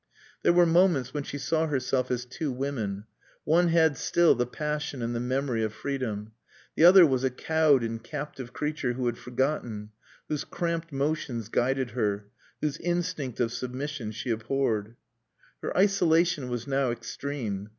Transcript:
There were moments when she saw herself as two women. One had still the passion and the memory of freedom. The other was a cowed and captive creature who had forgotten; whose cramped motions guided her; whose instinct of submission she abhorred. Her isolation was now extreme.